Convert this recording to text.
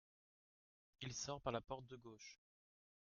II sort par la porte de gauche.